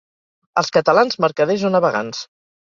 Els catalans, mercaders o navegants.